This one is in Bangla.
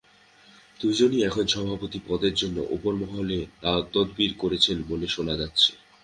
দুজনই এখন সভাপতি পদের জন্য ওপরমহলে তদবির করছেন বলে শোনা যাচ্ছে।